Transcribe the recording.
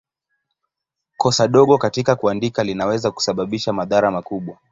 Kosa dogo katika kuandika linaweza kusababisha madhara makubwa.